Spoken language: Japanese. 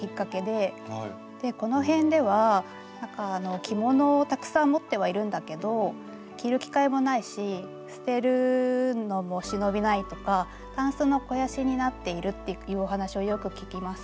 このへんでは着物をたくさん持ってはいるんだけど着る機会もないし捨てるのも忍びないとかたんすの肥やしになっているっていうお話をよく聞きます。